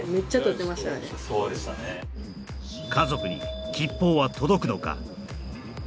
家族に吉報は届くのか